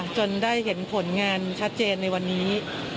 จนได้เห็นผลงานชัดเจนในวันนี้